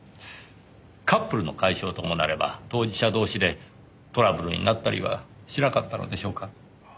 カップルの解消ともなれば当事者同士でトラブルになったりはしなかったのでしょうか？